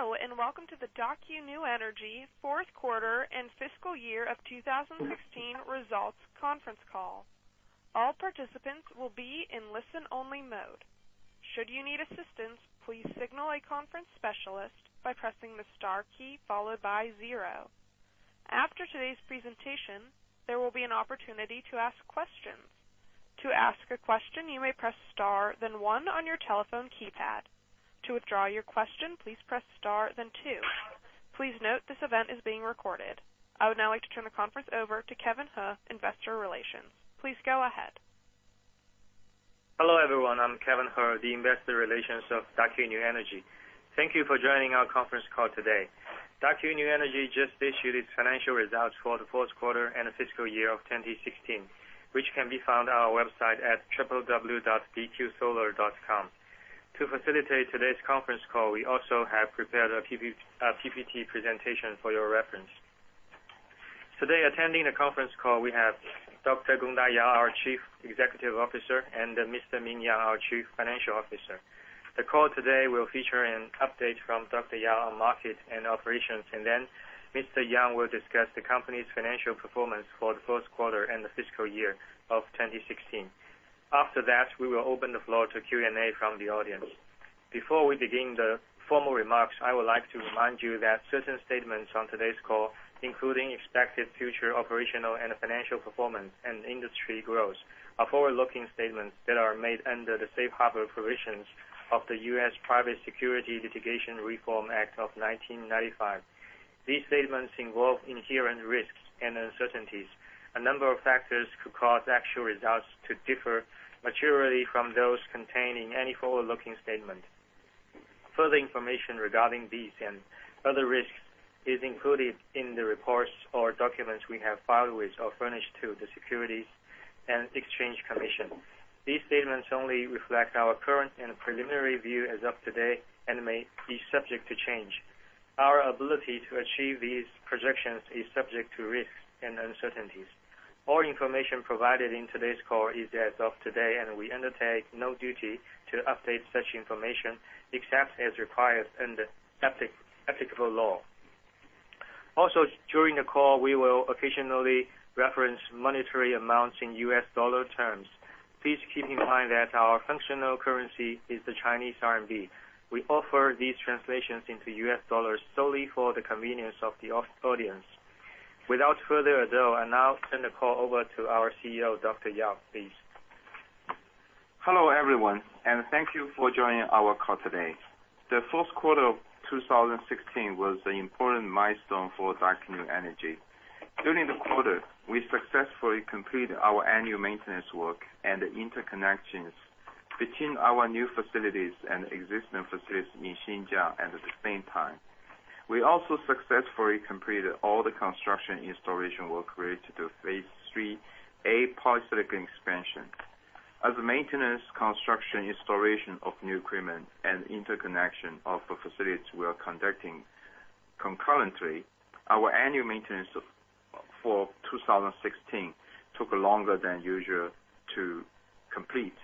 Hello, welcome to the Daqo New Energy fourth quarter and fiscal year 2016 results conference call. All participants will be in listen-only mode. Should you need assistance, please signal a conference specialist by pressing the star key followed by zero. After today's presentation, there will be an opportunity to ask questions. To ask a question, you may press star then one on your telephone keypad. To withdraw your question, please press star then two. Please note this event is being recorded. I would now like to turn the conference over to Kevin He, Investor Relations. Please go ahead. Hello, everyone. I'm Kevin He, the Investor Relations of Daqo New Energy. Thank you for joining our conference call today. Daqo New Energy just issued its financial results for the fourth quarter and the fiscal year of 2016, which can be found on our website at www.dqsolar.com. To facilitate today's conference call, we also have prepared a PPT presentation for your reference. Today, attending the conference call, we have Dr. Gongda Yao, our Chief Executive Officer, and Mr. Ming Yang, our Chief Financial Officer. The call today will feature an update from Dr. Yao on market and operations, and then Mr. Yang will discuss the company's financial performance for the fourth quarter and the fiscal year of 2016. After that, we will open the floor to Q&A from the audience. Before we begin the formal remarks, I would like to remind you that certain statements on today's call, including expected future operational and financial performance and industry growth, are forward-looking statements that are made under the safe harbor provisions of the U.S. Private Securities Litigation Reform Act of 1995. These statements involve inherent risks and uncertainties. A number of factors could cause actual results to differ materially from those contained in any forward-looking statement. Further information regarding these and other risks is included in the reports or documents we have filed with or furnished to the Securities and Exchange Commission. These statements only reflect our current and preliminary view as of today and may be subject to change. Our ability to achieve these projections is subject to risks and uncertainties. All information provided in today's call is as of today. We undertake no duty to update such information except as required under applicable law. During the call, we will occasionally reference monetary amounts in US dollar terms. Please keep in mind that our functional currency is the Chinese RMB. We offer these translations into US dollars solely for the convenience of the audience. Without further ado, I now turn the call over to our CEO, Dr. Yao. Please. Hello, everyone, and thank you for joining our call today. The fourth quarter of 2016 was an important milestone for Daqo New Energy. During the quarter, we successfully completed our annual maintenance work and the interconnections between our new facilities and existing facilities in Xinjiang at the same time. We also successfully completed all the construction installation work related to Phase 3A polysilicon expansion. As maintenance, construction, installation of new equipment and interconnection of the facilities we are conducting concurrently, our annual maintenance for 2016 took longer than usual to complete.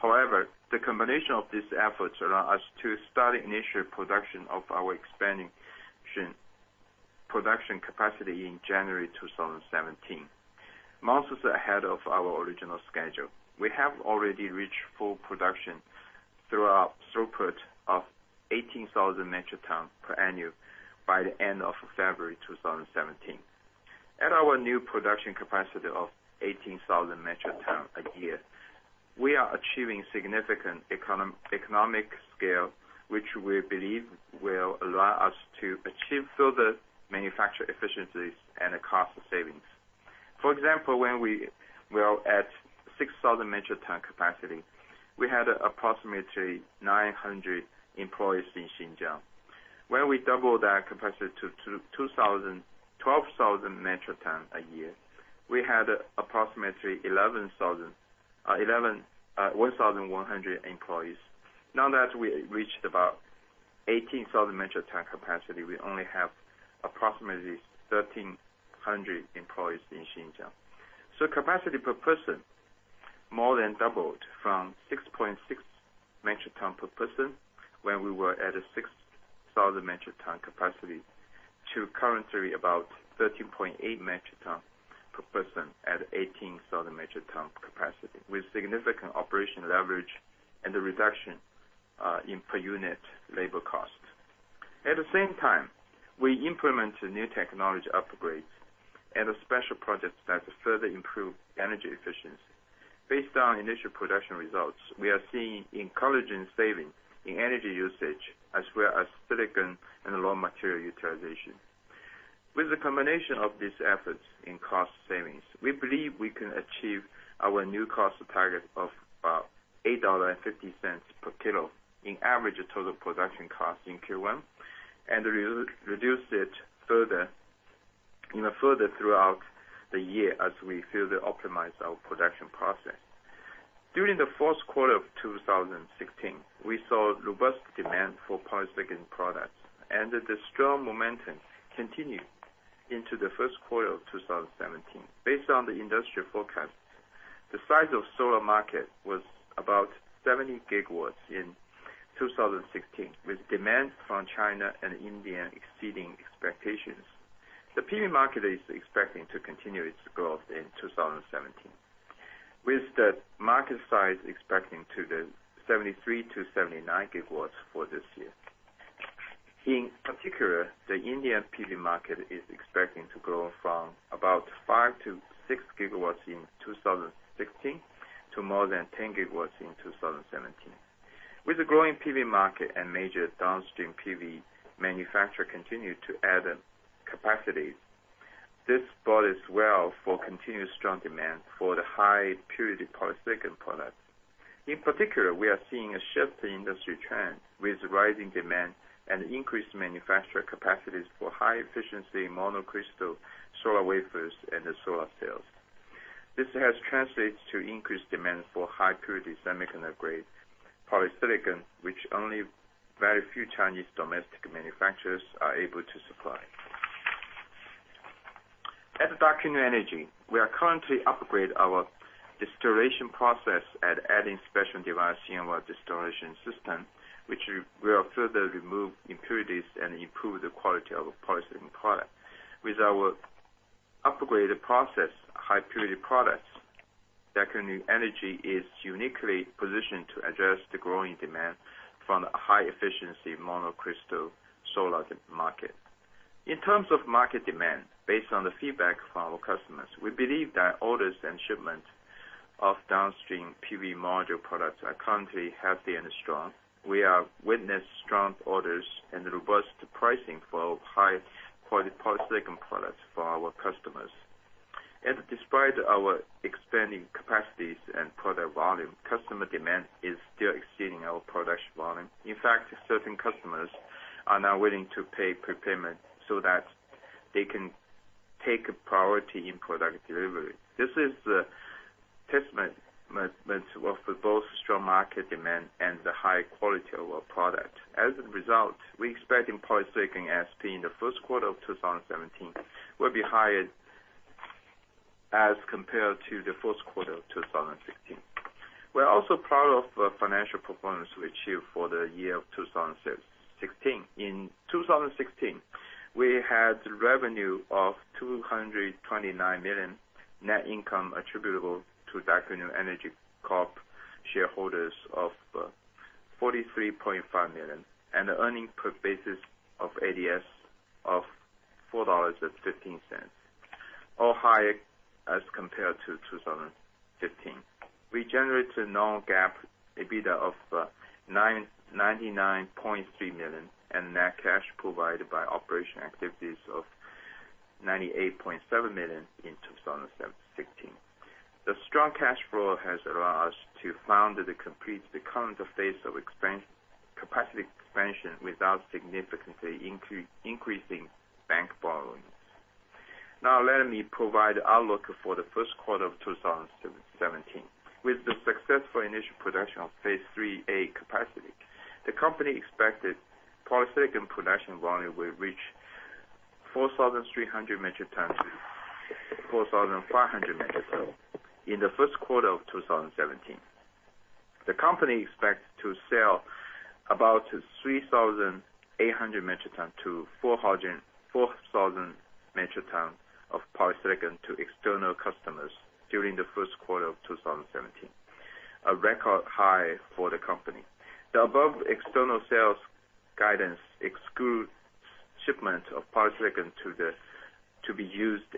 The combination of these efforts allows us to start initial production of our expansion production capacity in January 2017, months ahead of our original schedule. We have already reached full production through our throughput of 18,000 metric tons per annum by the end of February 2017. At our new production capacity of 18,000 metric tons a year, we are achieving significant economic scale, which we believe will allow us to achieve further manufacture efficiencies and cost savings. For example, when we were at 6,000 metric tons capacity, we had approximately 900 employees in Xinjiang. When we doubled our capacity to 12,000 metric tons a year, we had approximately 1,100 employees. Now that we reached about 18,000 metric tons capacity, we only have approximately 1,300 employees in Xinjiang. Capacity per person more than doubled from 6.6 metric ton per person when we were at a 6,000 metric ton capacity to currently about 13.8 metric ton per person at 18,000 metric ton capacity with significant operational leverage and a reduction in per unit labor cost. At the same time, we implemented new technology upgrades and special projects that further improve energy efficiency. Based on initial production results, we are seeing encouraging savings in energy usage as well as silicon and raw material utilization. With the combination of these efforts in cost savings, we believe we can achieve our new cost target of about CNY 8.50 per kilo in average total production cost in Q1 and reduce it further throughout the year as we further optimize our production process. During the fourth quarter of 2016, we saw robust demand for polysilicon products, and the strong momentum continued into the first quarter of 2017. Based on the industry forecast. The size of solar market was about 70 gigawatts in 2016, with demand from China and India exceeding expectations. The PV market is expecting to continue its growth in 2017, with the market size expecting to be 73-79 gigawatts for this year. In particular, the Indian PV market is expecting to grow from about 5-6 gigawatts in 2016 to more than 10 gigawatts in 2017. With the growing PV market and major downstream PV manufacturer continue to add capacities, this bodes well for continuous strong demand for the high-purity polysilicon products. In particular, we are seeing a shift in industry trend with rising demand and increased manufacturer capacities for high-efficiency monocrystalline solar wafers and the solar cells. This has translates to increased demand for high-purity semiconductor-grade polysilicon, which only very few Chinese domestic manufacturers are able to supply. At Daqo New Energy, we are currently upgrade our distillation process and adding special device Siemens distillation system, which will further remove impurities and improve the quality of our polysilicon product. With our upgraded process high-purity products, Daqo New Energy is uniquely positioned to address the growing demand from the high-efficiency monocrystalline solar market. In terms of market demand, based on the feedback from our customers, we believe that orders and shipments of downstream PV module products are currently healthy and strong. We have witnessed strong orders and robust pricing for high-quality polysilicon products for our customers. Despite our expanding capacities and product volume, customer demand is still exceeding our production volume. In fact, certain customers are now willing to pay prepayment so that they can take priority in product delivery. This is a testament of the both strong market demand and the high quality of our product. As a result, we expect in polysilicon ASP in the first quarter of 2017 will be higher as compared to the first quarter of 2016. We are also proud of the financial performance we achieved for the year of 2016. In 2016, we had revenue of 229 million, net income attributable to Daqo New Energy Corp. shareholders of 43.5 million, and the earning per basic ADS of CNY 4.15, all higher as compared to 2015. We generated non-GAAP EBITDA of 99.3 million, and net cash provided by operation activities of 98.7 million in 2016. The strong cash flow has allowed us to fund the complete current phase of capacity expansion without significantly increasing bank borrowings. Let me provide outlook for the first quarter of 2017. With the successful initial production of Phase 3A capacity, the company expected polysilicon production volume will reach 4,300-4,500 metric ton in the first quarter of 2017. The company expects to sell about 3,800-4,000 metric ton of polysilicon to external customers during the first quarter of 2017, a record high for the company. The above external sales guidance excludes shipments of polysilicon to be used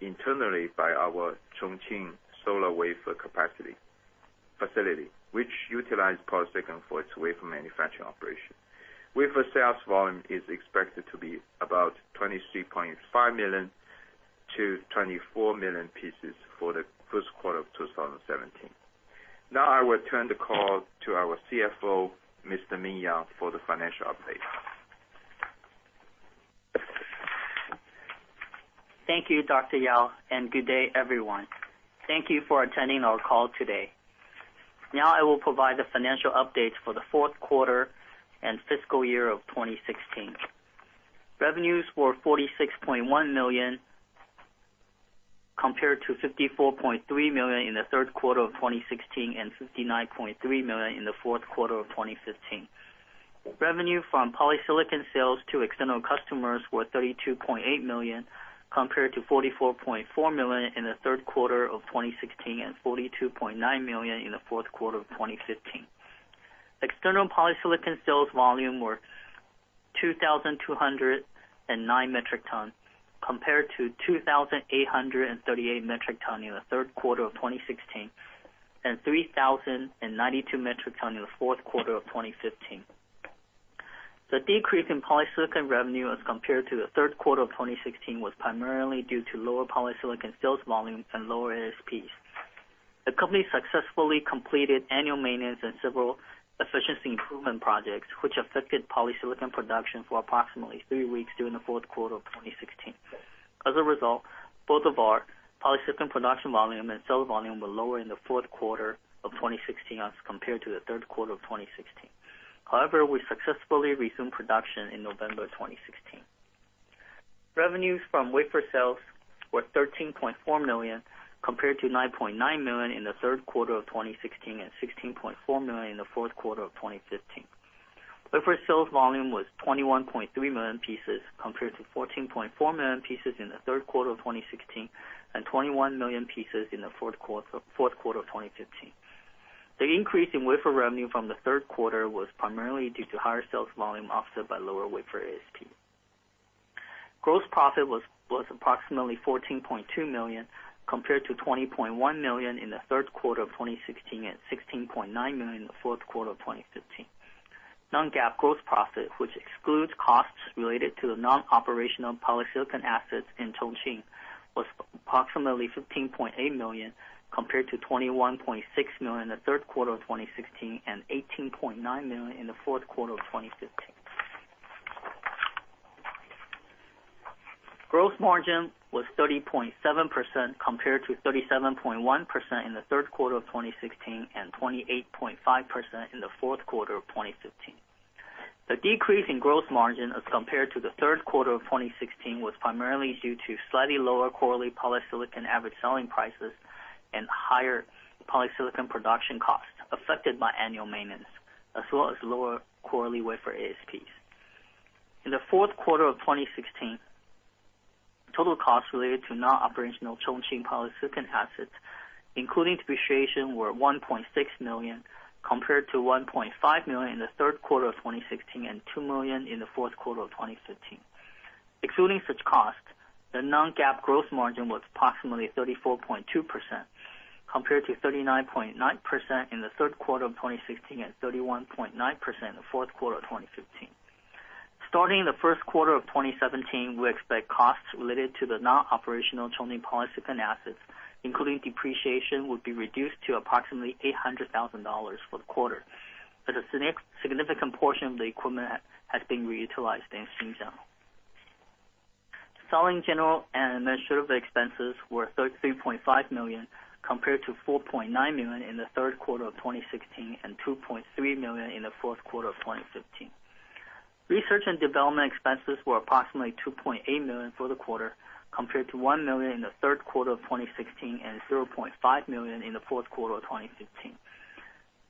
internally by our Chongqing solar wafer facility, which utilize polysilicon for its wafer manufacturing operation. Wafer sales volume is expected to be about 23.5 million-24 million pieces for the first quarter of 2017. Now I will turn the call to our CFO, Mr. Ming Yang, for the financial update. Thank you, Dr. Yao, and good day, everyone. Thank you for attending our call today. Now I will provide the financial updates for the fourth quarter and fiscal year of 2016. Revenues were CNY 46.1 million, compared to CNY 54.3 million in the third quarter of 2016 and CNY 59.3 million in the fourth quarter of 2015. Revenue from polysilicon sales to external customers were 32.8 million, compared to 44.4 million in the third quarter of 2016 and 42.9 million in the fourth quarter of 2015. External polysilicon sales volume were 2,209 metric ton, compared to 2,838 metric ton in the third quarter of 2016 and 3,092 metric ton in the fourth quarter of 2015. The decrease in polysilicon revenue as compared to the third quarter of 2016 was primarily due to lower polysilicon sales volume and lower ASPs. The company successfully completed annual maintenance and several efficiency improvement projects, which affected polysilicon production for approximately three weeks during the fourth quarter of 2016. As a result, both of our polysilicon production volume and sales volume were lower in the fourth quarter of 2016 as compared to the third quarter of 2016. However, we successfully resumed production in November of 2016. Revenues from wafer sales were 13.4 million, compared to 9.9 million in the third quarter of 2016 and 16.4 million in the fourth quarter of 2015. Wafer sales volume was 21.3 million pieces compared to 14.4 million pieces in the third quarter of 2016 and 21 million pieces in the fourth quarter of 2015. The increase in wafer revenue from the third quarter was primarily due to higher sales volume offset by lower wafer ASP. Gross profit was approximately 14.2 million compared to 20.1 million in the third quarter of 2016 and 16.9 million in the fourth quarter of 2015. Non-GAAP gross profit, which excludes costs related to the non-operational polysilicon assets in Chongqing, was approximately 15.8 million compared to 21.6 million in the third quarter of 2016 and 18.9 million in the fourth quarter of 2015. Gross margin was 30.7% compared to 37.1% in the third quarter of 2016 and 28.5% in the fourth quarter of 2015. The decrease in gross margin as compared to the third quarter of 2016 was primarily due to slightly lower quarterly polysilicon average selling prices and higher polysilicon production costs affected by annual maintenance, as well as lower quarterly wafer ASPs. In the fourth quarter of 2016, total costs related to non-operational Chongqing polysilicon assets, including depreciation, were 1.6 million compared to 1.5 million in the third quarter of 2016 and 2 million in the fourth quarter of 2015. Excluding such costs, the non-GAAP gross margin was approximately 34.2% compared to 39.9% in the third quarter of 2016 and 31.9% in the fourth quarter of 2015. Starting in the first quarter of 2017, we expect costs related to the non-operational Chongqing polysilicon assets, including depreciation, will be reduced to approximately $800,000 for the quarter, as a significant portion of the equipment has been reutilized in Xinjiang. Selling, general and administrative expenses were CNY 13.5 million compared to CNY 4.9 million in the third quarter of 2016 and CNY 2.3 million in the fourth quarter of 2015. Research and development expenses were approximately CNY 2.8 million for the quarter, compared to CNY 1 million in the third quarter of 2016 and CNY 0.5 million in the fourth quarter of 2015.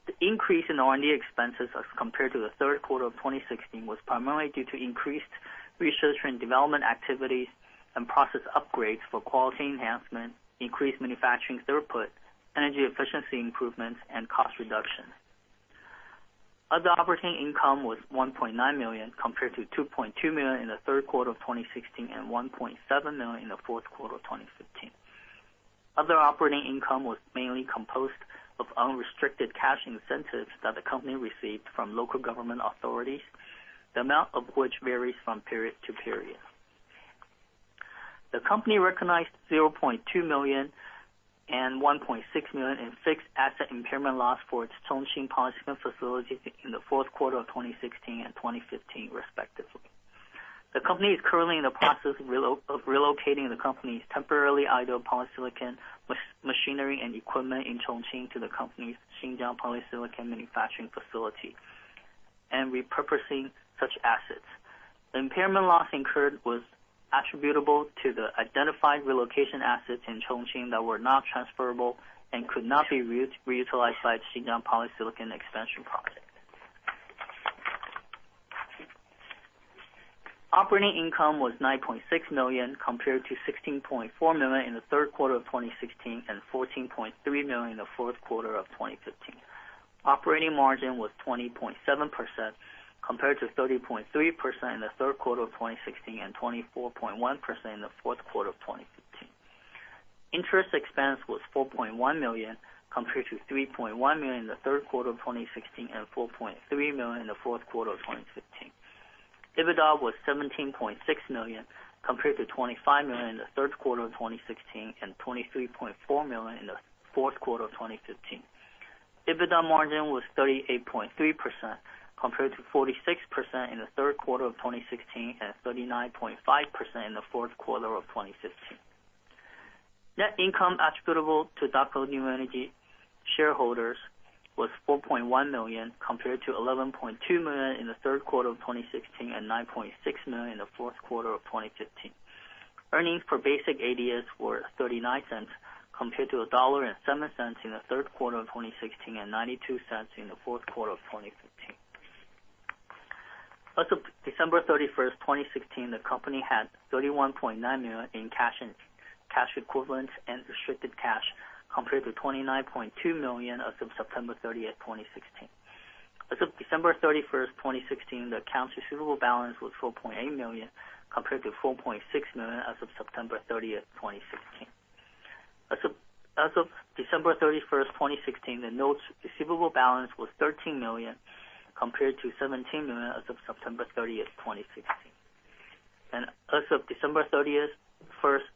The increase in R&D expenses as compared to the third quarter of 2016 was primarily due to increased research and development activities and process upgrades for quality enhancement, increased manufacturing throughput, energy efficiency improvements and cost reduction. Other operating income was 1.9 million compared to 2.2 million in the third quarter of 2016 and 1.7 million in the fourth quarter of 2015. Other operating income was mainly composed of unrestricted cash incentives that the company received from local government authorities, the amount of which varies from period to period. The company recognized 0.2 million and 1.6 million in fixed asset impairment loss for its Chongqing polysilicon facility in the fourth quarter of 2016 and 2015, respectively. The company is currently in the process of relocating the company's temporarily idle polysilicon machinery and equipment in Chongqing to the company's Xinjiang polysilicon manufacturing facility and repurposing such assets. The impairment loss incurred was attributable to the identified relocation assets in Chongqing that were not transferable and could not be reutilised by Xinjiang polysilicon expansion project. Operating income was 9.6 million compared to 16.4 million in the third quarter of 2016 and 14.3 million in the fourth quarter of 2015. Operating margin was 20.7% compared to 30.3% in the third quarter of 2016 and 24.1% in the fourth quarter of 2015. Interest expense was CNY 4.1 million compared to CNY 3.1 million in the third quarter of 2016 and CNY 4.3 million in the fourth quarter of 2015. EBITDA was CNY 17.6 million compared to CNY 25 million in the third quarter of 2016 and CNY 23.4 million in the fourth quarter of 2015. EBITDA margin was 38.3% compared to 46% in the third quarter of 2016 and 39.5% in the fourth quarter of 2015. Net income attributable to Daqo New Energy shareholders was 4.1 million compared to 11.2 million in the third quarter of 2016 and 9.6 million in the fourth quarter of 2015. Earnings per basic ADS were $0.39 compared to $1.07 in the third quarter of 2016 and $0.92 in the fourth quarter of 2015. As of December 31, 2016, the company had CNY 31.9 million in cash and cash equivalents and restricted cash compared to CNY 29.2 million as of September 30, 2016. As of December 31, 2016, the accounts receivable balance was 4.8 million compared to 4.6 million as of September 30, 2016. As of December 31st, 2016, the notes receivable balance was 13 million compared to 17 million as of September 30th, 2016. As of December 31st,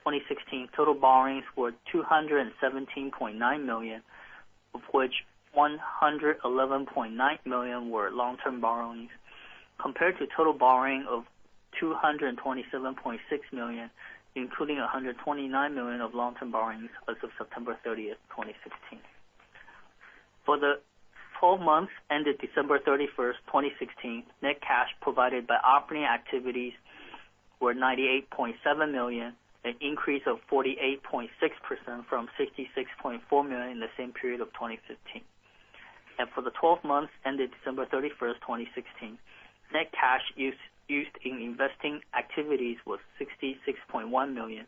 2016, total borrowings were 217.9 million, of which 111.9 million were long-term borrowings, compared to total borrowing of 227.6 million, including 129 million of long-term borrowings as of September 30th, 2016. For the 12 months ended December 31st, 2016, net cash provided by operating activities were 98.7 million, an increase of 48.6% from 66.4 million in the same period of 2015. For the 12 months ended December 31st, 2016, net cash used in investing activities was 66.1 million,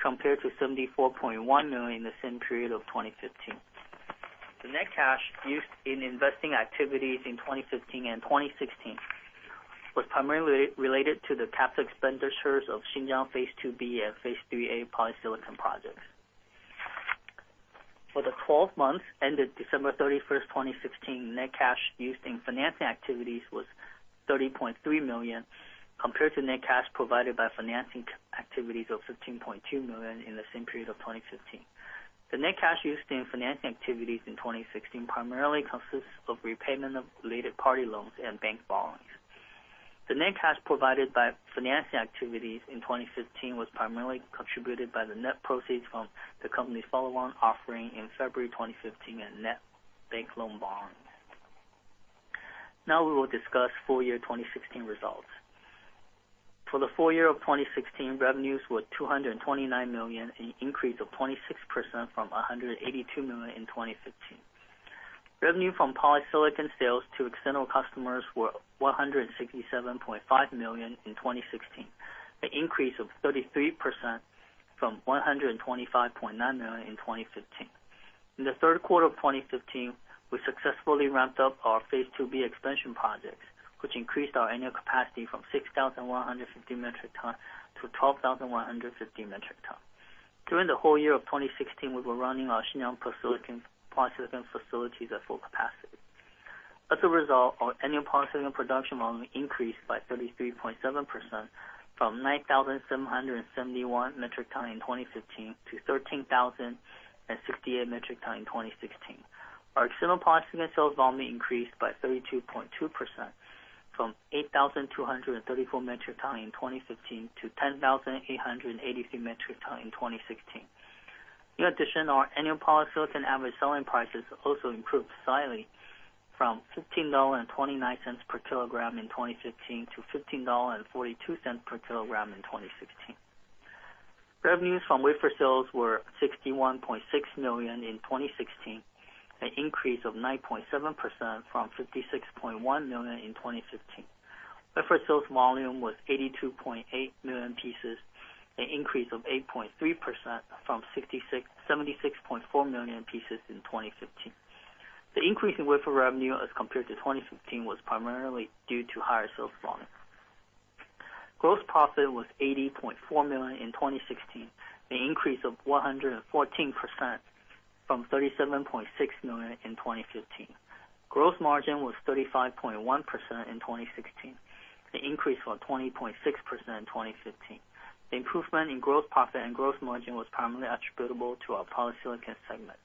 compared to 74.1 million in the same period of 2015. The net cash used in investing activities in 2015 and 2016 was primarily related to the CapEx of Xinjiang Phase 2B and Phase 3A polysilicon projects. For the 12 months ended December 31st, 2016, net cash used in financing activities was 30.3 million, compared to net cash provided by financing activities of 15.2 million in the same period of 2015. The net cash used in financing activities in 2016 primarily consists of repayment of related party loans and bank borrowings. The net cash provided by financing activities in 2015 was primarily contributed by the net proceeds from the company's follow-on offering in February 2015 and net bank loan borrowings. Now we will discuss full year 2016 results. For the full year of 2016, revenues were 229 million, an increase of 26% from 182 million in 2015. Revenue from polysilicon sales to external customers were 167.5 million in 2016, an increase of 33% from 125.9 million in 2015. In the third quarter of 2015, we successfully ramped up our Phase 2B expansion project, which increased our annual capacity from 6,150 metric tons to 12,150 metric tons. During the whole year of 2016, we were running our Xinjiang polysilicon facilities at full capacity. As a result, our annual polysilicon production volume increased by 33.7% from 9,771 metric ton in 2015 to 13,058 metric ton in 2016. Our external polysilicon sales volume increased by 32.2% from 8,234 metric ton in 2015 to 10,883 metric ton in 2016. In addition, our annual polysilicon average selling prices also improved slightly from $15.29 per kilogram in 2015 to $15.42 per kilogram in 2016. Revenues from wafer sales were $61.6 million in 2016, an increase of 9.7% from $56.1 million in 2015. Wafer sales volume was 82.8 million pieces, an increase of 8.3% from 76.4 million pieces in 2015. The increase in wafer revenue as compared to 2015 was primarily due to higher sales volume. Gross profit was 80.4 million in 2016, an increase of 114% from 37.6 million in 2015. Gross margin was 35.1% in 2016. It increased from 20.6% in 2015. The improvement in gross profit and gross margin was primarily attributable to our polysilicon segment.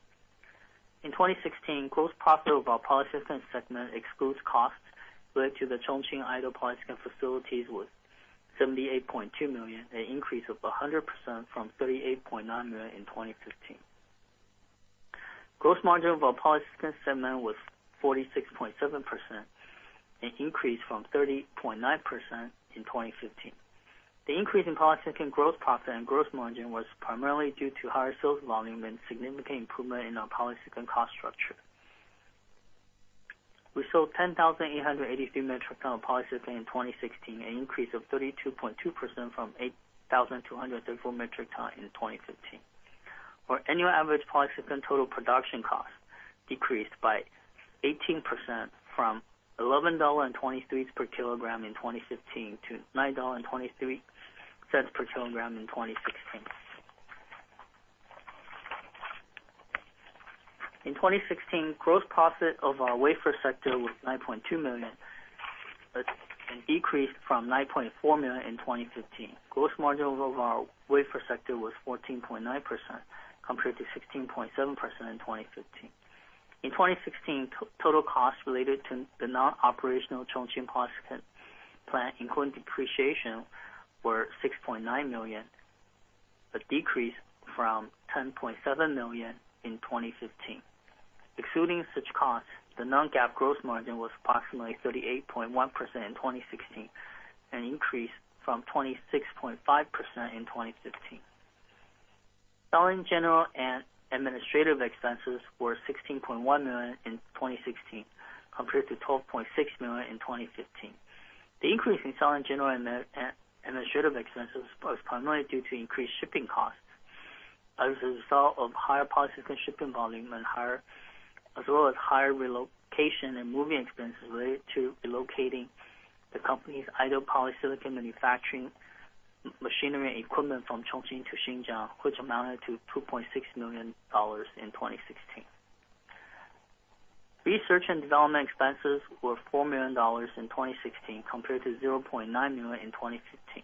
In 2016, gross profit of our polysilicon segment excludes costs related to the Chongqing idle polysilicon facilities was 78.2 million, an increase of 100% from 38.9 million in 2015. Gross margin of our polysilicon segment was 46.7%, an increase from 30.9% in 2015. The increase in polysilicon gross profit and gross margin was primarily due to higher sales volume and significant improvement in our polysilicon cost structure. We sold 10,883 metric ton of polysilicon in 2016, an increase of 32.2% from 8,234 metric ton in 2015. Our annual average polysilicon total production cost decreased by 18% from CNY 11.23 per kilogram in 2015 to CNY 9.23 per kilogram in 2016. In 2016, gross profit of our wafer sector was 9.2 million, a decrease from 9.4 million in 2015. Gross margin of our wafer sector was 14.9% compared to 16.7% in 2015. In 2016, total costs related to the non-operational Chongqing polysilicon plant, including depreciation, were 6.9 million, a decrease from 10.7 million in 2015. Excluding such costs, the non-GAAP gross margin was approximately 38.1% in 2016, an increase from 26.5% in 2015. Selling, general and administrative expenses were 16.1 million in 2016 compared to 12.6 million in 2015. The increase in selling, general and administrative expenses was primarily due to increased shipping costs as a result of higher polysilicon shipping volume as well as higher relocation and moving expenses related to relocating the company's idle polysilicon manufacturing machinery and equipment from Chongqing to Xinjiang, which amounted to $2.6 million in 2016. Research and development expenses were $4 million in 2016 compared to $0.9 million in 2015.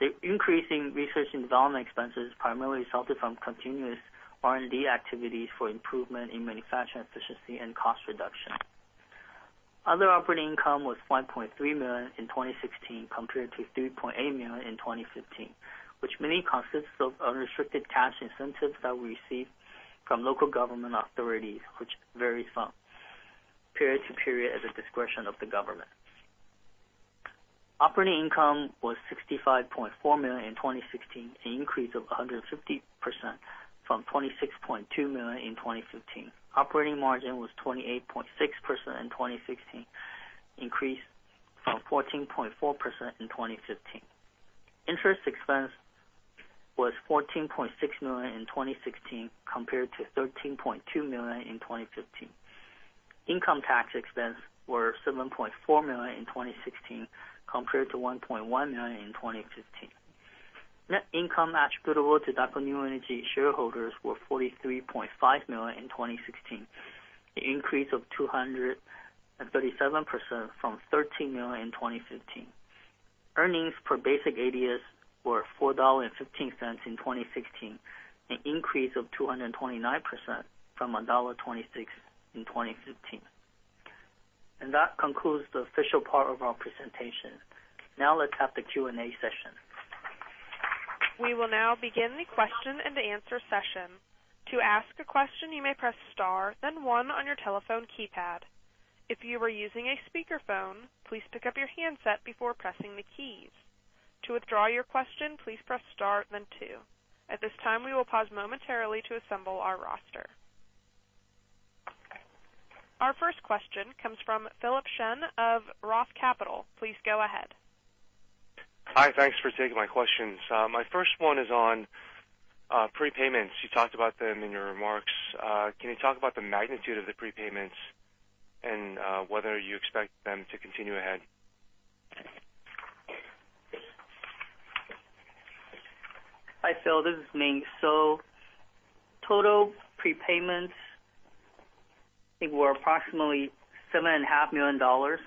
The increase in research and development expenses primarily resulted from continuous R&D activities for improvement in manufacturing efficiency and cost reduction. Other operating income was $1.3 million in 2016 compared to $3.8 million in 2015, which mainly consists of unrestricted cash incentives that we received from local government authorities, which varies from period to period at the discretion of the government. Operating income was 65.4 million in 2016, an increase of 150% from 26.2 million in 2015. Operating margin was 28.6% in 2016, increase from 14.4% in 2015. Interest expense was CNY 14.6 million in 2016 compared to CNY 13.2 million in 2015. Income tax expense were CNY 7.4 million in 2016 compared to CNY 1.1 million in 2015. Net income attributable to Daqo New Energy shareholders were 43.5 million in 2016, an increase of 237% from 13 million in 2015. Earnings per basic ADS were $4.15 in 2016, an increase of 229% from $1.26 in 2015. That concludes the official part of our presentation. Now let's have the Q&A session. We will now begin the question and answer session. To ask a question, you may press star, then one on your telephone keypad. If you are using a speakerphone, please pick up your handset before pressing the keys. To withdraw your questions, please press star, then two. At this time we will pause momentarily to asssemble our roster. Our first question comes from Philip Shen of Roth Capital. Please go ahead. Hi. Thanks for taking my questions. My first one is on prepayments. You talked about them in your remarks. Can you talk about the magnitude of the prepayments and whether you expect them to continue ahead? Hi, Phil. This is Ming. Total prepayments, I think, were approximately CNY 7.5 million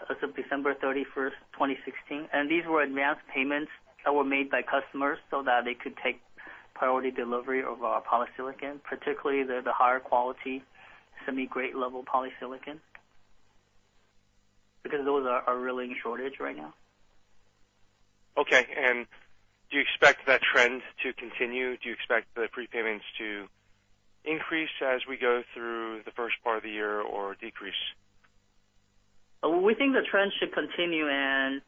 As of December 31, 2016. These were advanced payments that were made by customers so that they could take priority delivery of our polysilicon, particularly the higher quality semi-grade level polysilicon because those are really in shortage right now. Okay. Do you expect that trend to continue? Do you expect the prepayments to increase as we go through the first part of the year or decrease? We think the trend should continue, and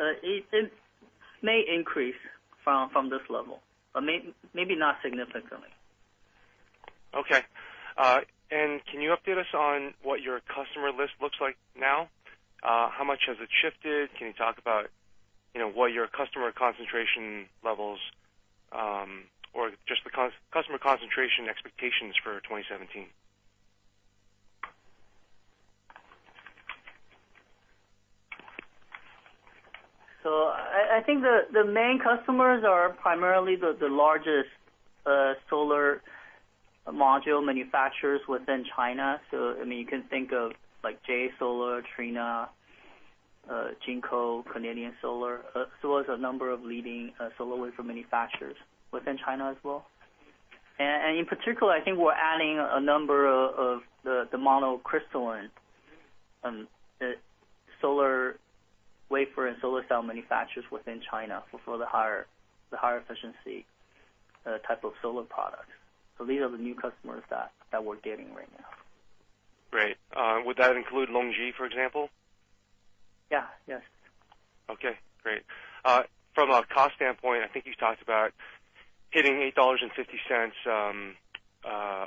it may increase from this level, but maybe not significantly. Okay. Can you update us on what your customer list looks like now? How much has it shifted? Can you talk about, what your customer concentration levels, or just the customer concentration expectations for 2017? The main customers are primarily the largest solar module manufacturers within China. I mean, you can think of, like, JA Solar, Trina, Jinko, Canadian Solar, as a number of leading solar wafer manufacturers within China as well. In particular, I think we're adding a number of the monocrystalline solar wafer and solar cell manufacturers within China for the higher efficiency type of solar products. These are the new customers that we're getting right now. Great. Would that include LONGi, for example? Yeah. Yes. Okay, great. From a cost standpoint, I think you talked about hitting $8.50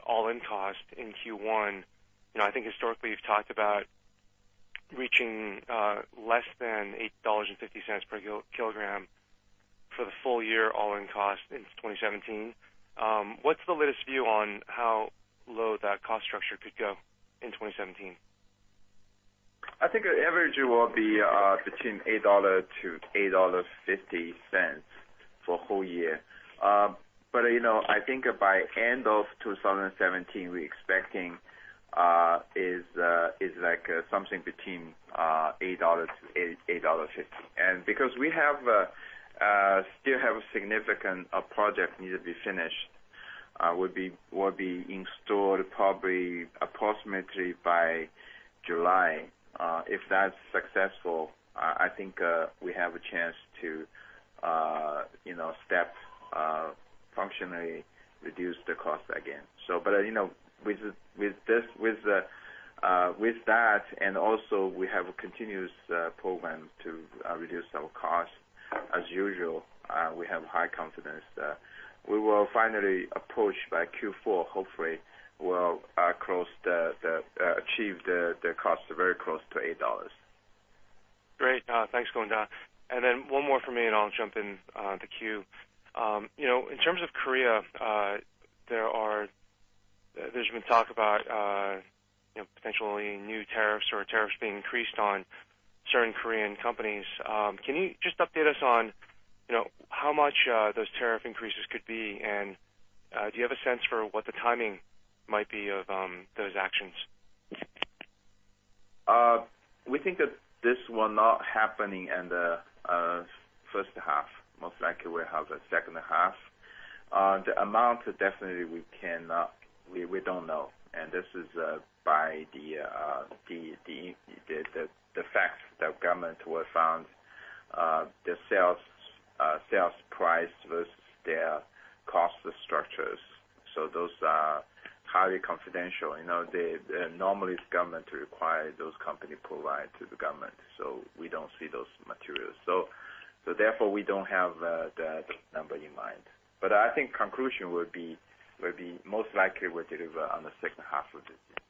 all-in cost in Q1. Historically you've talked about reaching less than $8.50 per kilogram for the full year all-in cost in 2017. What's the latest view on how low that cost structure could go in 2017? The average will be between $8-$8.50 for whole year, but, I think by end of 2017, we expecting is like something between $8-$8.50. Because we have still have a significant project needed to be finished, will be installed probably approximately by July. If that's successful, I think we have a chance to step functionally reduce the cost again, but with this, with that and also we have a continuous program to reduce our costs. As usual, we have high confidence that we will finally approach by Q4, hopefully we'll achieve the cost very close to CNY 8. Great. Thanks, Gongda Yao. Then one more from me, and I'll jump in the queue. You know, in terms of Korea, there's been talk about, potentially new tariffs or tariffs being increased on certain Korean companies. Can you just update us on, you know, how much those tariff increases could be? Do you have a sense for what the timing might be of those actions? We think that this will not happening in the first half. Most likely we'll have the second half. The amount definitely we cannot, we don't know. This is by the fact that government were found the sales price versus their cost structures. Those are highly confidential. Normally the government require those company provide to the government, we don't see those materials. Therefore, we don't have that number in mind. I think conclusion would be most likely we deliver on the second half of this year.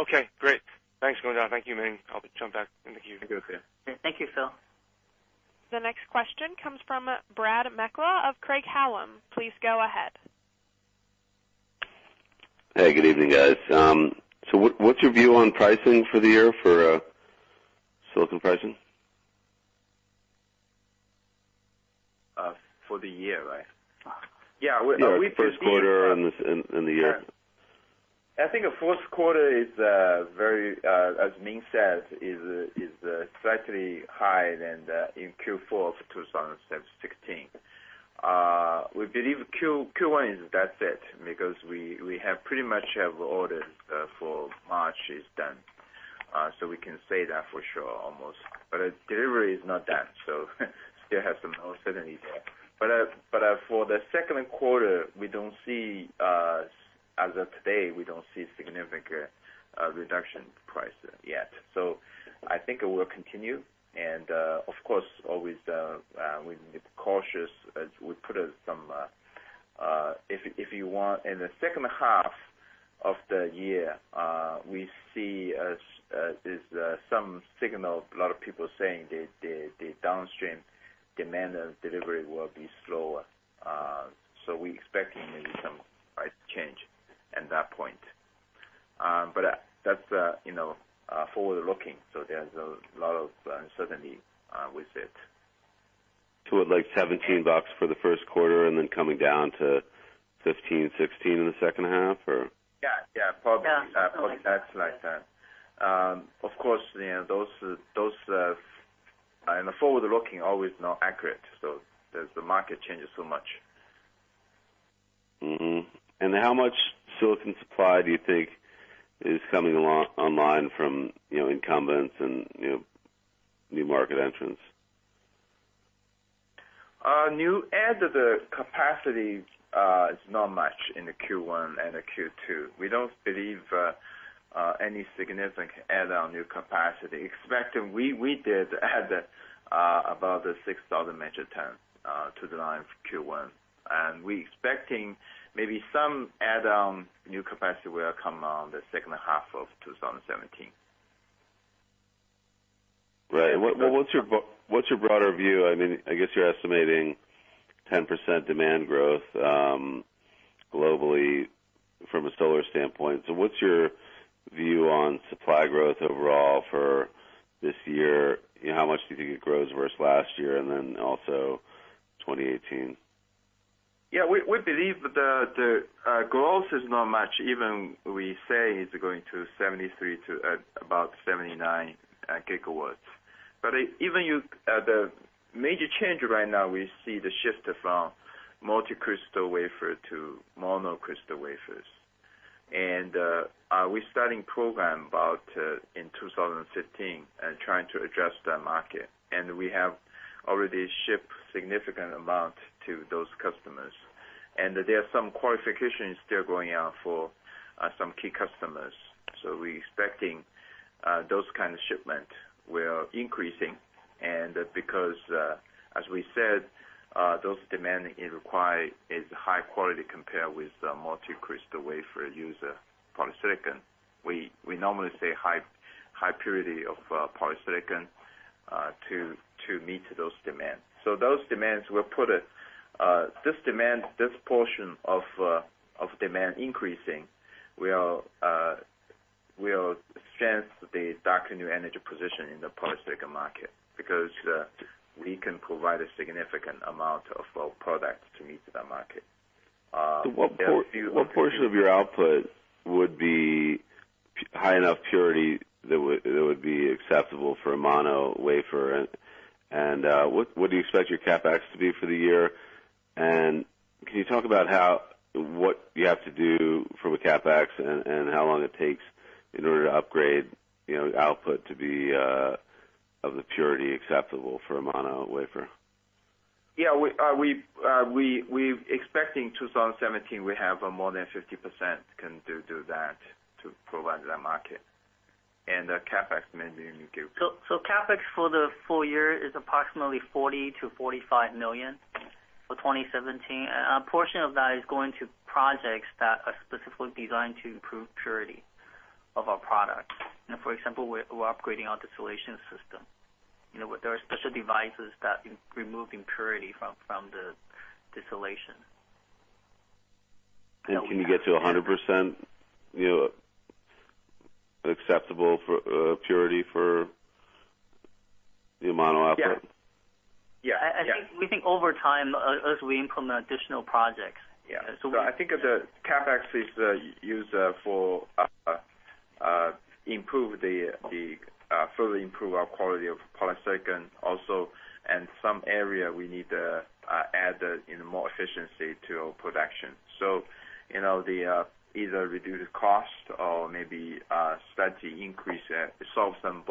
Okay, great. Thank you, Ming. I'll jump back into you. Thank you, Phil. Thank you, Phil. The next question comes from Brad Meikle of Craig-Hallum. Please go ahead. Hey, good evening, guys. What's your view on pricing for the year for silicon pricing? For the year, right? Yeah, Yeah, first quarter and in the year. The fourth quarter is as Ming said, is slightly higher than in Q4 of 2016. We believe Q1 is that it, because we have pretty much have orders for March is done. We can say that for sure, almost. Delivery is not done, still have some uncertainty there. For the second quarter, we don't see as of today, we don't see significant reduction prices yet. I think it will continue. Of course, always, we need to be cautious as we put some if you want. In the second half of the year, we see there's some signal, a lot of people saying the downstream demand and delivery will be slower. We expecting maybe some price change at that point. That's, forward-looking, so there's a lot of uncertainty with it. To, like, $17 for the first quarter and then coming down to 15, 16 in the second half or? Yeah, yeah. Probably. Yeah. Probably. That's like that. Of course, those in the forward looking always not accurate, so the market changes so much. Mm-hmm. How much silicon supply do you think is coming along online from, you know, incumbents and, you know, new market entrants? New add capacity is not much in the Q1 and the Q2. We don't believe any significant add on new capacity. We did add about 6,000 metric ton to the line for Q1. We expecting maybe some add on new capacity will come on the second half of 2017. Right. What's your broader view? I mean, I guess you're estimating 10% demand growth globally from a solar standpoint. What's your view on supply growth overall for this year? How much do you think it grows versus last year and also 2018? Yeah. We believe the growth is not much. Even we say it's going to 73 to about 79 gigawatts. Even the major change right now, we see the shift from multicrystalline wafer to monocrystal wafers. We starting program about in 2015 and trying to adjust the market. We have already shipped significant amount to those customers. There are some qualifications still going out for some key customers. We expecting those kind of shipment will increasing, because as we said, those demand it require is high quality compared with multicrystalline wafer user polysilicon. We normally say high purity of polysilicon to meet those demands. This demand, this portion of demand increasing will strengthen the Daqo New Energy position in the polysilicon market because we can provide a significant amount of our product to meet the market. What portion of your output would be high enough purity that would be acceptable for a mono wafer? What do you expect your CapEx to be for the year? Can you talk about what you have to do for the CapEx and how long it takes in order to upgrade output to be of the purity acceptable for a mono wafer? Yeah. We expecting 2017, we have more than 50% can do that to provide the market. The CapEx maybe Ming give. CapEx for the full year is approximately 40 million-45 million for 2017. A portion of that is going to projects that are specifically designed to improve purity of our product. For example, we're upgrading our distillation system. You know, there are special devices that remove impurity from the distillation. Can you get to 100%, you know, acceptable for purity for the mono output? Yeah. Yeah. I think, we think over time, as we implement additional projects- Yeah. The CapEx is used for, Improve the further improve our quality of polysilicon also, and some area we need to add more efficiency to our production. You know, either reduce cost or maybe slightly increase, solve some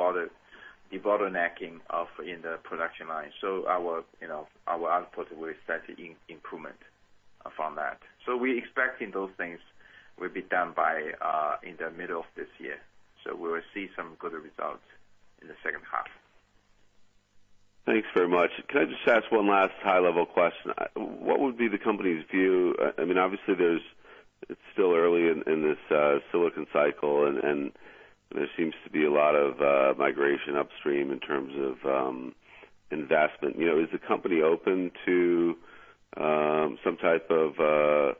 debottlenecking of in the production line. Our, you know, our output will start to improvement upon that. We expecting those things will be done by in the middle of this year, so we will see some good results in the second half. Thanks very much. Can I just ask one last high-level question? What would be the company's view? Obviously, there's It's still early in this silicon cycle, and there seems to be a lot of migration upstream in terms of investment, is the company open to some type of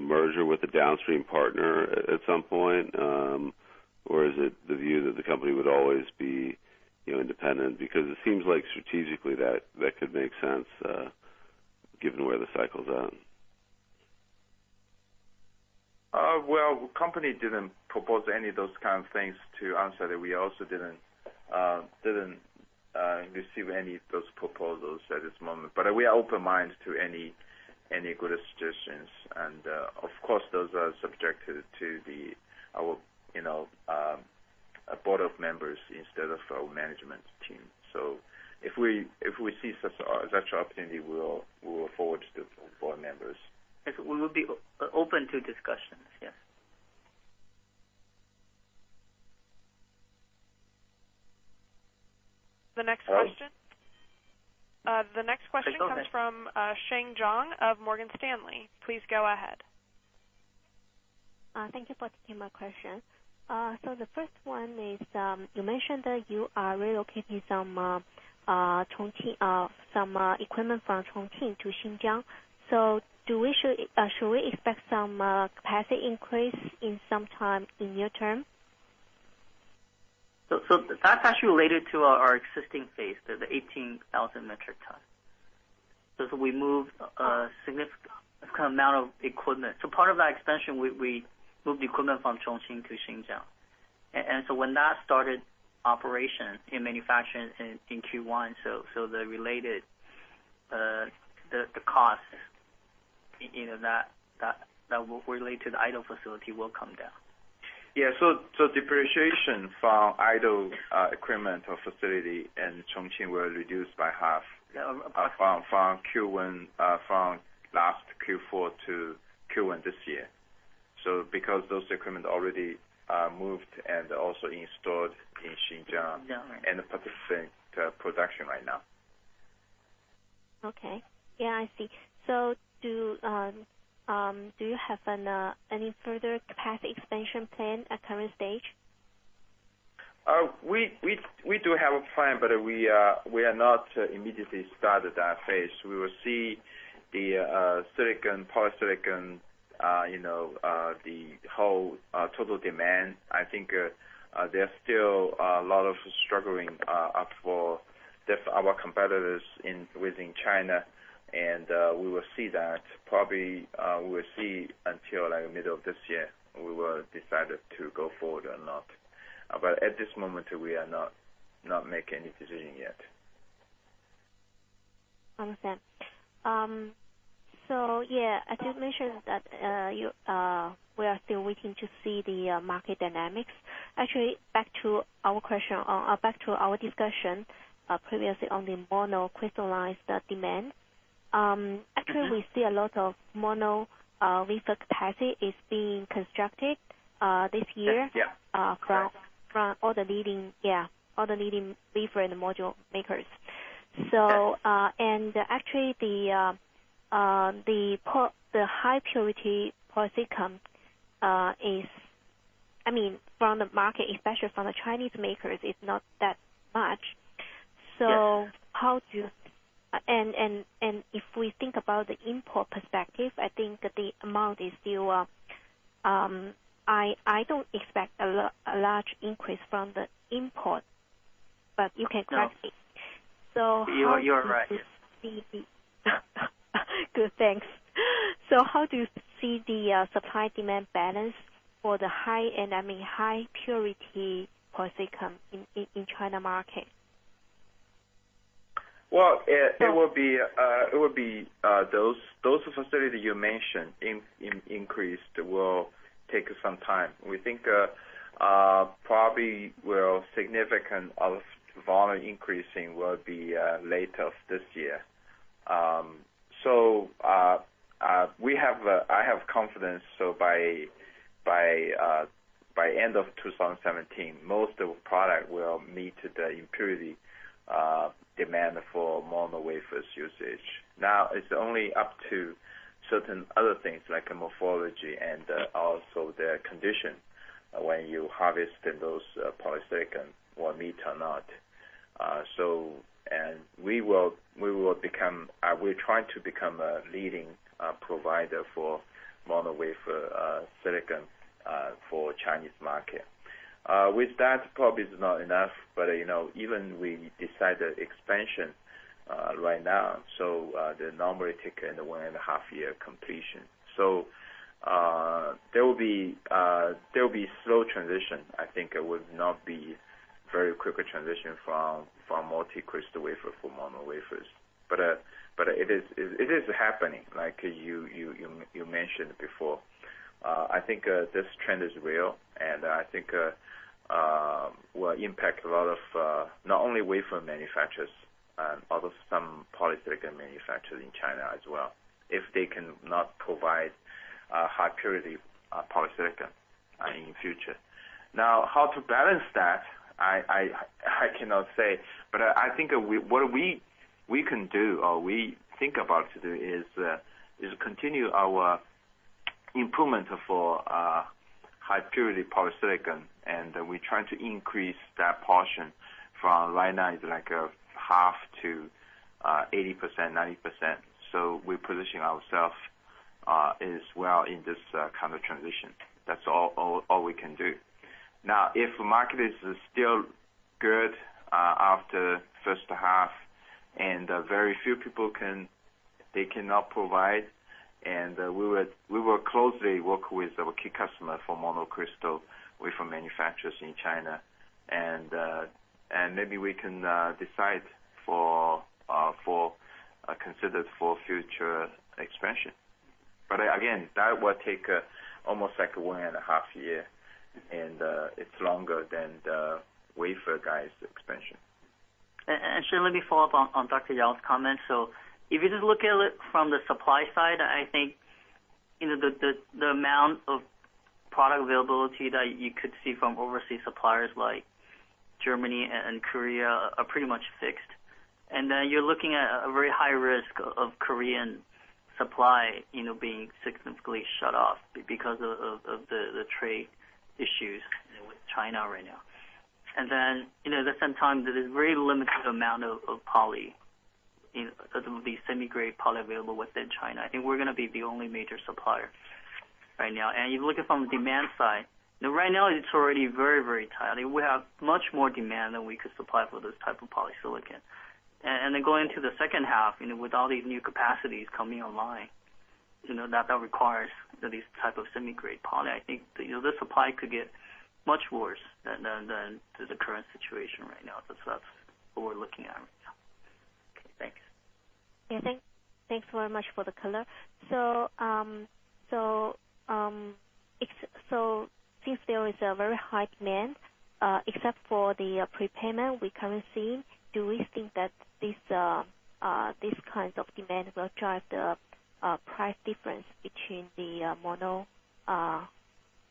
merger with a downstream partner at some point? Or is it the view that the company would always be, you know, independent? Because it seems like strategically that could make sense given where the cycle's at. Well, company didn't propose any of those kind of things to us, so that we also didn't receive any of those proposals at this moment. We are open minds to any good suggestions. Of course, those are subjected to the our board of members instead of our management team. If we see such opportunity, we will forward to board members. Yes. We will be open to discussions. Yes. The next question. Hello? The next question- Sorry, go ahead. Comes from, Sheng Zhong of Morgan Stanley. Please go ahead. Thank you for taking my question. The first one is, you mentioned that you are relocating some Chongqing equipment from Chongqing to Xinjiang. Should we expect some capacity increase in some time in near term? That's actually related to our existing phase, the 18,000 metric ton. As we move a significant amount of equipment. Part of that expansion, we moved the equipment from Chongqing to Xinjiang. When that started operation in manufacturing in Q1, the related costs in that related to the idle facility will come down. Yeah. Depreciation from idle equipment or facility in Chongqing were reduced by half. Yeah, okay. From Q1, from last Q4 to Q1 this year. Because those equipment already moved and also installed in Xinjiang. Xinjiang Participating, production right now. Okay. Yeah, I see. Do you have any further capacity expansion plan at current stage? We do have a plan, but we are not immediately started that phase. We will see the silicon, polysilicon, you know, the whole, total demand. There are still a lot of struggling, up for the our competitors in, within China. We will see that. Probably, we will see until like middle of this year, we will decide to go forward or not. At this moment, we are not making any decision yet. Understand. Yeah, as you mentioned that, we are still waiting to see the market dynamics. Actually, back to our question or back to our discussion, previously on the monocrystalline demand. Actually, we see a lot of mono wafer capacity is being constructed this year. Yes. Yeah. From all the leading, yeah, all the leading wafer and module makers. Yeah. Actually the high purity polysilicon is from the market, especially from the Chinese makers, it's not that much. Yes. How do you if we think about the import perspective, I think the amount is still, I don't expect a large increase from the import, but you can correct me. No. How do you see the- You are right. Good, thanks. How do you see the supply-demand balance for the high, and I mean high purity polysilicon in China market? Well, it would be, those facility you mentioned in increased will take some time. We think probably will significant of volume increasing will be later this year. We have I have confidence, so by end of 2017, most of product will meet the purity demand for mono wafers usage. Now, it's only up to certain other things like morphology and also the condition when you harvest those polysilicon will meet or not. We're trying to become a leading provider for mono wafer silicon for Chinese market. With that probably is not enough, but even we decide the expansion right now. They normally take one and a half year completion. There will be slow transition. I think it would not be very quicker transition from multicrystalline wafer for mono wafers. It is happening like you mentioned before. I think this trend is real, and I think will impact a lot of not only wafer manufacturers, although some polysilicon manufacturers in China as well, if they cannot provide high purity polysilicon in future. Now, how to balance that? I cannot say, but I think what we can do or we think about to do is continue our improvement for high purity polysilicon, and we try to increase that portion from right now is like half to 80%, 90%. We position ourself as well in this kind of transition. That's all we can do. If market is still good after first half and very few people cannot provide, and we would, we will closely work with our key customer for monocrystal wafer manufacturers in China. Maybe we can consider for future expansion. Again, that will take almost like one and a half year, and it's longer than the wafer guys expansion. Shen, let me follow up on Dr. Yao's comment. If you just look at it from the supply side, the amount of product availability that you could see from overseas suppliers like Germany and Korea are pretty much fixed. You're looking at a very high risk of Korean supply being significantly shut off because of the trade issues with China right now. At the same time, there's very limited amount of poly, of the semi-grade poly available within China. I think we're gonna be the only major supplier right now. If you look at from demand side, right now it's already very tight. I think we have much more demand than we could supply for this type of polysilicon. Going to the second half, with all these new capacities coming online that requires these type of semi-grade poly. TI think, you know, the supply could get much worse than the current situation right now. That's what we're looking at right now. Okay, thanks. Thanks very much for the color. Since there is a very high demand, except for the prepayment we currently see, do we think that this, these kinds of demand will drive the price difference between the mono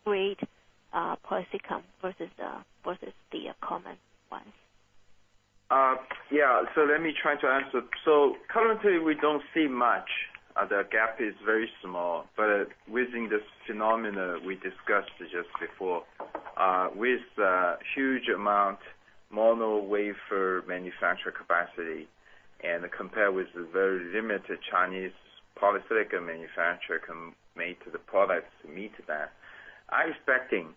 grade polysilicon versus the common ones? Let me try to answer. Currently, we don't see much. The gap is very small. Within this phenomena we discussed just before, with the huge amount mono wafer manufacturer capacity and compare with the very limited Chinese polysilicon manufacturer can make the products to meet that. I expecting,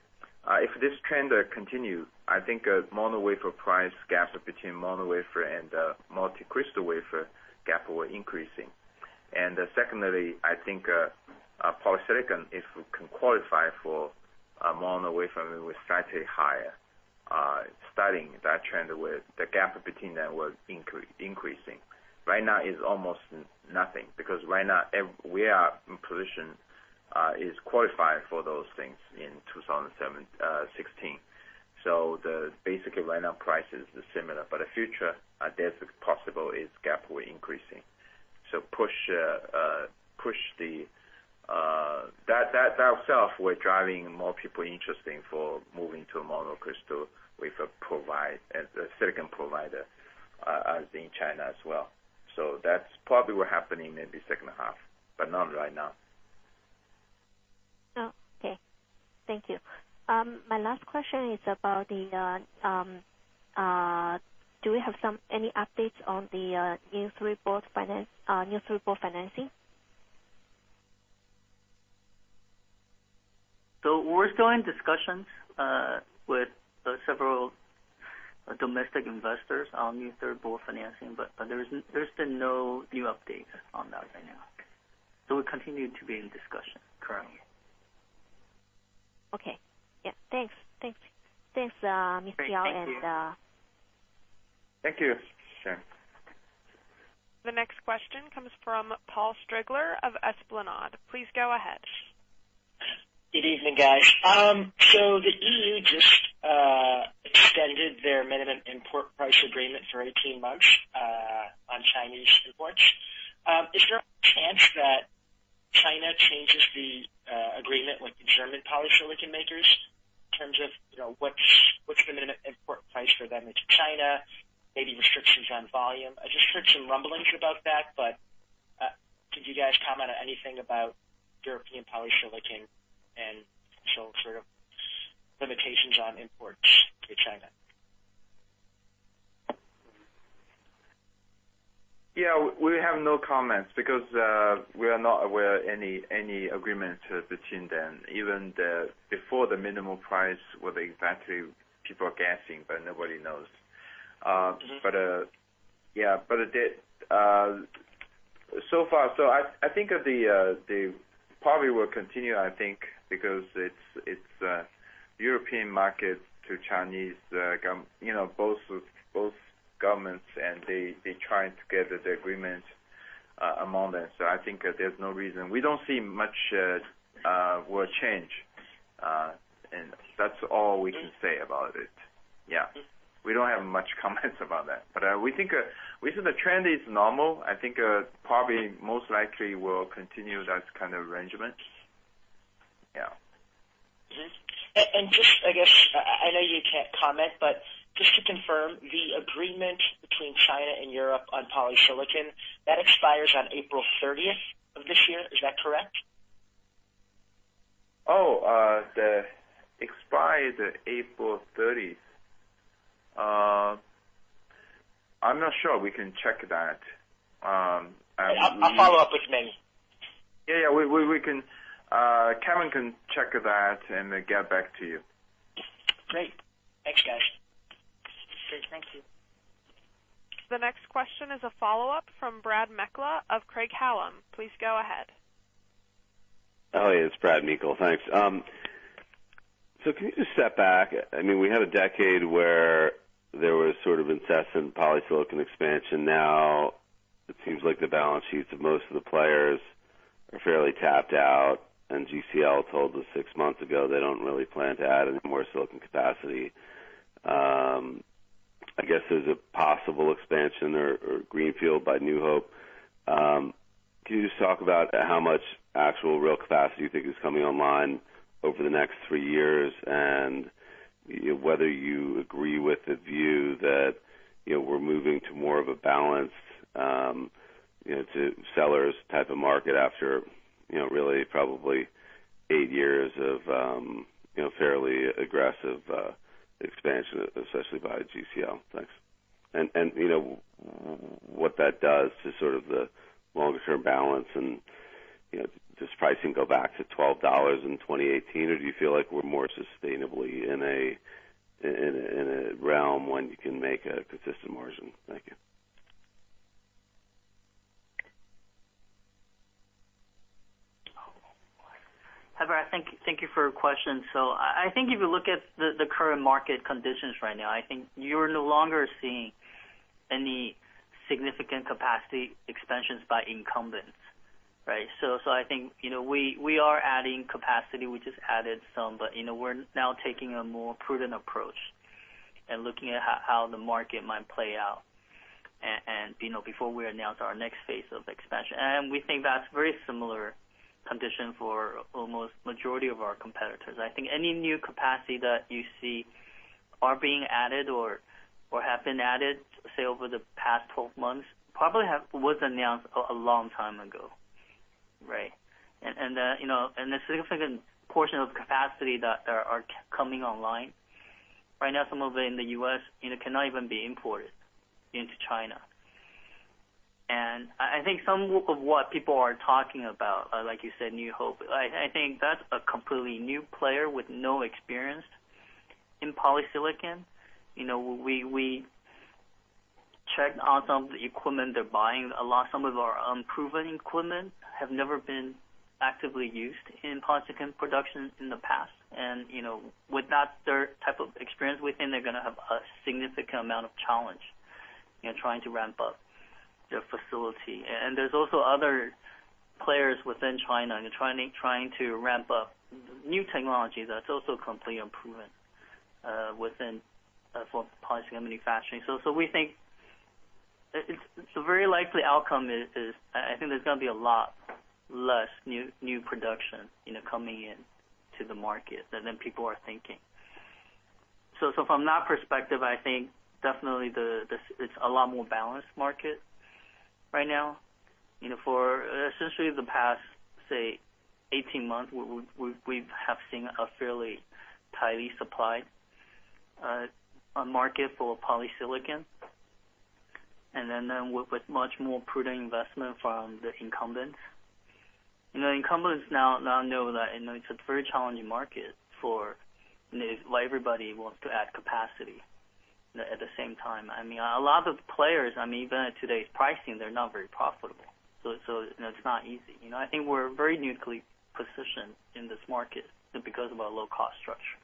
if this trend continue, mono wafer price gap between mono wafer and multicrystalline wafer gap will increasing. Secondly, polysilicon, if we can qualify for a mono wafer, it will slightly higher. Starting that trend with the gap between them will increasing. Right now is almost nothing because right now we are in position, is qualified for those things in 2007, 2016. Basically, right now prices is similar, but the future, there's a possibility its gap will increasing. Push the, that ourself, we're driving more people interesting for moving to a monocrystal wafer provide, silicon provider, as in China as well. That's probably what happening in the second half, but not right now. Okay. Thank you. My last question is about the, do we have any updates on the New Third Board financing? We're still in discussions, with several domestic investors on New Third Board financing, but there's been no new update on that right now. We continue to be in discussion currently. Okay. Yeah. Thanks. Thanks. Thanks, Mr. Yao. Thank you, Sheng Zhong. The next question comes from Paul Strigler of Esplanade. Please go ahead. Good evening, guys. The EU just extended their minimum import price agreement for 18 months on Chinese imports. Is there a chance that China changes the agreement with the German polysilicon makers in terms of, what's the minimum import price for them into China? Maybe restrictions on volume? I just heard some rumblings about that, could you guys comment anything about European polysilicon and some sort of limitations on import? Yeah, we have no comments because we are not aware any agreement between them, even the before the minimum import price, what exactly people are guessing, but nobody knows. Yeah, it did so far I think that the probably will continue, I think because it's European market to Chinese, both governments and they trying to get the agreement among them. I think that there's no reason. We don't see much will change, that's all we can say about it. Yeah. We don't have much comments about that. We think, we think the trend is normal. I think, probably most likely will continue that kind of arrangement. Yeah. JustYou can't comment, but just to confirm the agreement between China and Europe on polysilicon that expires on April 30th of this year. Is that correct? Oh, the expire the April 30th. I'm not sure. We can check that. Yeah. I'll follow up with Ming Yang. Yeah, yeah. We can Kevin can check that and get back to you. Great. Thanks, guys. Great. Thank you. The next question is a follow-up from Brad Meikle of Craig-Hallum. Please go ahead. It's Brad Meikle. Thanks. Can you just step back? I mean, we had a decade where there was sort of incessant polysilicon expansion. Now it seems like the balance sheets of most of the players are fairly tapped out, and GCL told us six months ago they don't really plan to add any more silicon capacity. I guess there's a possible expansion or greenfield by East Hope Group. Can you just talk about how much actual real capacity you think is coming online over the next three years and whether you agree with the view that, you know, we're moving to more of a balance, to sellers type of market after, you know, really probably eight years of, fairly aggressive expansion, especially by GCL. Thanks. What that does to sort of the longer term balance and, you know, does pricing go back to $12 in 2018 or do you feel like we're more sustainably in a realm when you can make a consistent margin? Thank you. Brad Meikle, I thank you for your question. I think if you look at the current market conditions right now, I think you're no longer seeing any significant capacity expansions by incumbents, right? I think, you know, we are adding capacity. We just added some, you know, we're now taking a more prudent approach and looking at how the market might play out and, you know, before we announce our next phase of expansion. We think that's very similar condition for almost majority of our competitors. I think any new capacity that you see are being added or have been added, say, over the past 12 months, probably was announced a long time ago, right? A significant portion of capacity that are coming online right now, some of it in the U.S., you know, cannot even be imported into China. I think some of what people are talking about, like you said, New Hope, I think that's a completely new player with no experience in polysilicon. We checked on some of the equipment they're buying. Some of our unproven equipment have never been actively used in polysilicon production in the past. You know, with that third type of experience within, they're gonna have a significant amount of challenge in trying to ramp up their facility. There's also other players within China trying to ramp up new technologies that's also completely unproven for polysilicon manufacturing. We think it's a very likely outcome. I think there's going to be a lot less new production, coming into the market than people are thinking. From that perspective, I think definitely it's a lot more balanced market right now. You know, for essentially the past, say 18 months, we have seen a fairly tightly supplied market for polysilicon. With much more prudent investment from the incumbents. You know, incumbents now know that, it's a very challenging market for why everybody wants to add capacity at the same time. I mean, a lot of players, even at today's pricing, they're not very profitable. It's not easy. We're very uniquely positioned in this market because of our low cost structure.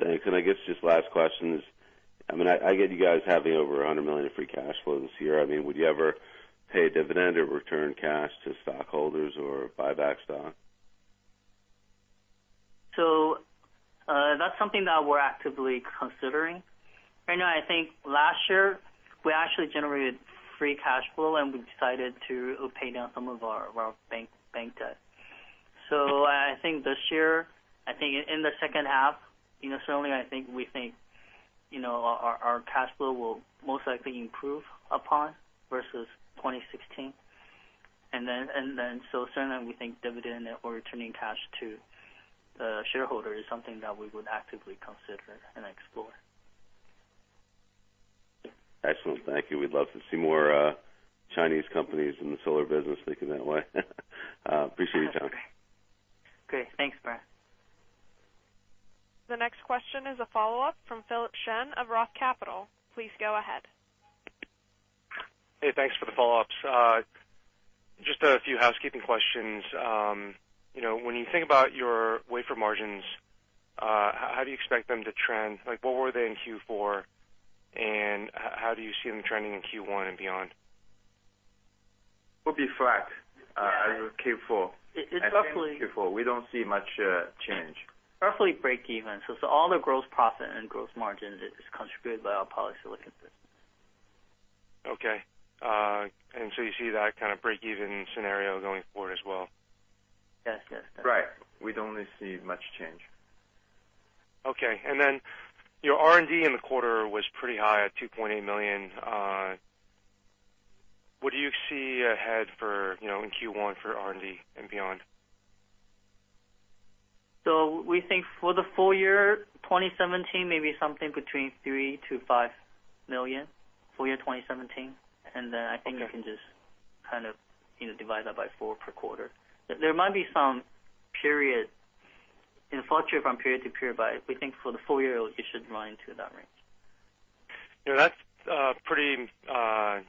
Thanks. Just last question is, I get you guys having over 100 million of free cash flow this year. I mean, would you ever pay a dividend or return cash to stockholders or buy back stock? That's something that we're actively considering. Right now, I think last year we actually generated free cash flow, and we decided to pay down some of our bank debt. I think this year, I think in the second half, certainly I think we think, you know, our cash flow will most likely improve upon versus 2016. Certainly we think dividend or returning cash to the shareholder is something that we would actively consider and explore. Excellent. Thank you. We'd love to see more Chinese companies in the solar business thinking that way. Appreciate your time. Great. Thanks, Brad. The next question is a follow-up from Philip Shen of Roth Capital. Please go ahead. Hey, thanks for the follow-ups. Just a few housekeeping questions. You know, when you think about your wafer margins, how do you expect them to trend? Like, what were they in Q4, and how do you see them trending in Q1 and beyond? Would be flat, as of Q4. It's roughly- As Q4, we don't see much change. Roughly breakeven. All the gross profit and gross margin is contributed by our polysilicon business. Okay. You see that kind of breakeven scenario going forward as well? Yes, yes. Right. We don't really see much change. Okay. Your R&D in the quarter was pretty high at 2.8 million. What do you see ahead for, you know, in Q1 for R&D and beyond? We think for the full year 2017, maybe something between 3 million-5 million, full year 2017. I think you can just kind of, you know, divide that by 4 per quarter. There might be some period, you know, fluctuate from period to period, but we think for the full year it should run into that range. That's pretty high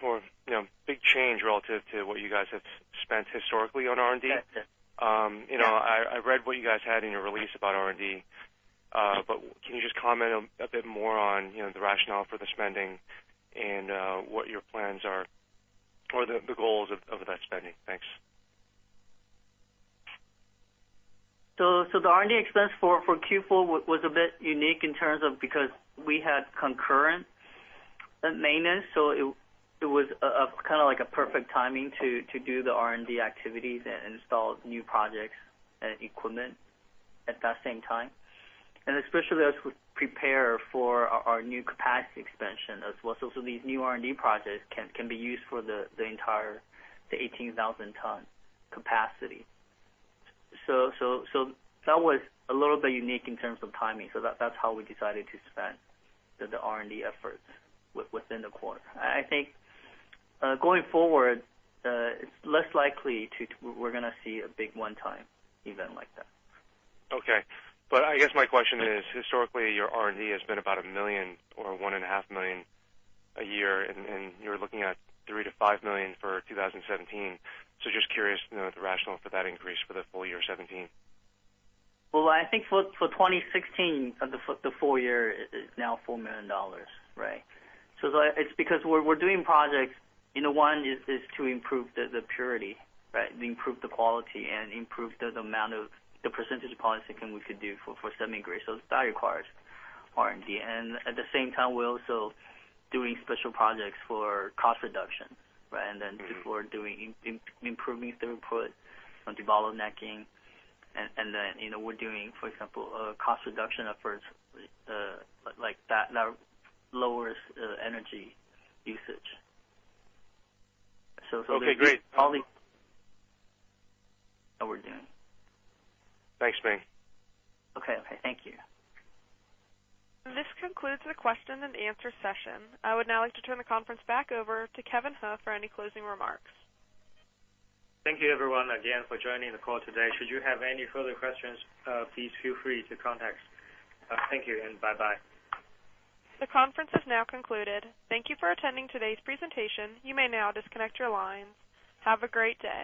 for, you know, big change relative to what you guys have spent historically on R&D. Yes, yes. I read what you guys had in your release about R&D. Can you just comment a bit more on, you know, the rationale for the spending and what your plans are or the goals of that spending? Thanks. The R&D expense for Q4 was a bit unique in terms of because we had concurrent maintenance, so it was a kind of like a perfect timing to do the R&D activities and install new projects and equipment at that same time. Especially as we prepare for our new capacity expansion as well. These new R&D projects can be used for the entire 18,000 ton capacity. That was a little bit unique in terms of timing. That's how we decided to spend the R&D efforts within the quarter. I think, going forward, it's less likely we're gonna see a big one-time event like that. Okay. I guess my question is, historically, your R&D has been about 1 million or 1.5 million a year, and you're looking at 3 million-5 million for 2017. Just curious, the rationale for that increase for the full year 2017. Well, I think for 2016, the full year is now CNY 4 million, right? It's because we're doing projects one is to improve the purity, right? Improve the quality and improve the amount of the percentage of polysilicon we could do for semi-grade. That requires R&D. At the same time, we're also doing special projects for cost reduction, right? We're doing improving throughput, some debottlenecking. You know, we're doing, for example, cost reduction efforts, like that lowers energy usage. Okay, great. All these are we doing. Thanks, Ming. Okay. Okay. Thank you. This concludes the question and answer session. I would now like to turn the conference back over to Kevin He for any closing remarks. Thank you everyone again for joining the call today. Should you have any further questions, please feel free to contact us. Thank you and bye-bye. The conference has now concluded. Thank you for attending today's presentation. You may now disconnect your lines. Have a great day.